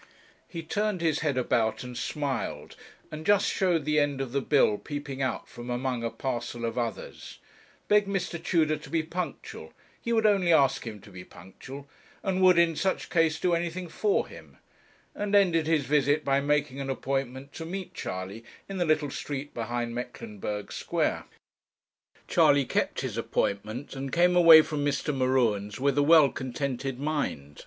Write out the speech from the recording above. He turned his head about and smiled, and just showed the end of the bill peeping out from among a parcel of others, begged Mr. Tudor to be punctual, he would only ask him to be punctual, and would in such case do anything for him, and ended his visit by making an appointment to meet Charley in the little street behind Mecklenburg Square. Charley kept his appointment, and came away from Mr. M'Ruen's with a well contented mind.